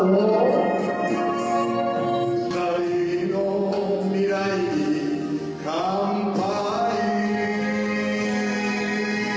「二人の未来に乾杯」